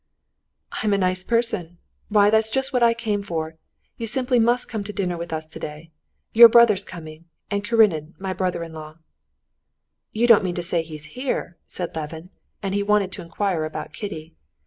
"I'm a nice person! Why, that's just what I came for! You simply must come to dinner with us today. Your brother's coming, and Karenin, my brother in law." "You don't mean to say he's here?" said Levin, and he wanted to inquire about Kitty.